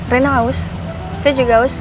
rena haus saya juga haus